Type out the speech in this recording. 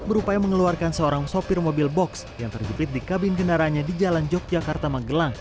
berupaya mengeluarkan seorang sopir mobil box yang terjepit di kabin kendaraannya di jalan yogyakarta magelang